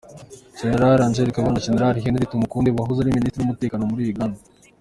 Gen. Abel Kandiho na Gen. Henry Tumukunde, wahoze ari Minisitiri w’Umutekano muri Uganda.